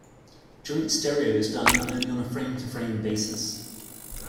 Joint stereo is done only on a frame-to-frame basis.